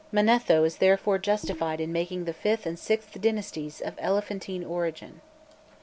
Manetho is therefore justified in making the fifth and sixth dynasties of Elephantine origin.